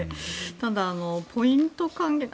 ただ、ポイント。